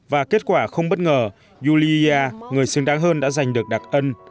và kết quả không bất ngờ yulia người xứng đáng hơn đã giành được đặc ân